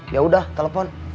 ya udah telepon